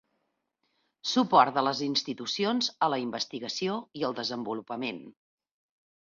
Suport de les institucions a la investigació i el desenvolupament.